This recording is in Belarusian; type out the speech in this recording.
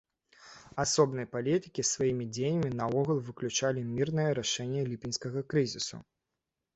Асобныя палітыкі сваімі дзеяннямі наогул выключалі мірнае рашэнне ліпеньскага крызісу.